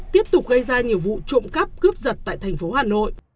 tiếp tục gây ra nhiều vụ trộm cắp cướp giật tại thành phố hà nội